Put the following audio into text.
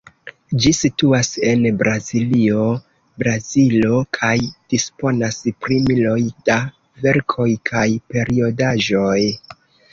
Ĝi situas en Braziljo, Brazilo, kaj disponas pri miloj da verkoj kaj periodaĵoj.